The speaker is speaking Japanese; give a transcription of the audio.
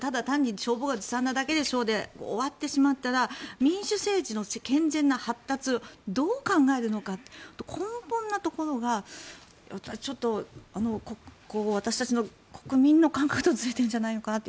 帳簿がずさんなだけでしょうとしたら民主政治の健全な発達どう考えるのか、根本のところがちょっと私たちの国民の感覚とずれてるんじゃないかって